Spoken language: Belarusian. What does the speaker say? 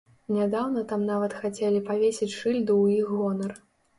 Нядаўна там нават хацелі павесіць шыльду ў іх гонар.